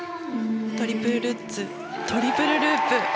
トリプルルッツトリプルループ。